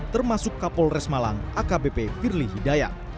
termasuk kapolres malang akbp firly hidayat